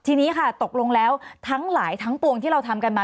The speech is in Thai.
ทีนี้ค่ะตกลงแล้วทั้งหลายทั้งปวงที่เราทำกันมา